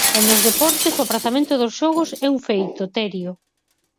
E nos deportes, o aprazamento dos xogos é un feito, Terio.